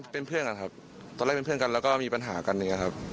เป็นเพื่อนกันครับตอนแรกเป็นเพื่อนกันแล้วก็มีปัญหากันอย่างนี้ครับ